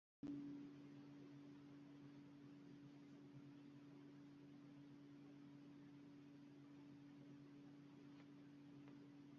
Devor tagiga, yangi toʻnkaga borib oʻtirdim.